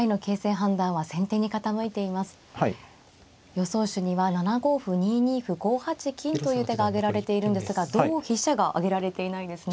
予想手には７五歩２二歩５八金という手が挙げられているんですが同飛車が挙げられていないですね。